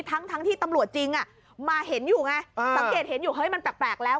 ทั้งที่ตำรวจจริงมาเห็นอยู่ไงสังเกตเห็นอยู่เฮ้ยมันแปลกแล้ว